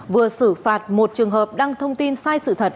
vừa xử phạt một trường hợp đăng thông tin sai sự thật